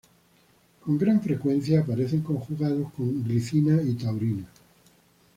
Con gran frecuencia aparecen conjugados con glicina y taurina.